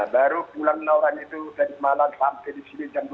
baru pulang enam orang itu tadi malam sampai di sini jam dua belas